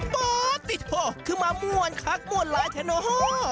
โป๊ะติดโห้ขึ้นมามวนคักมวนหลายแทนโอ้โห้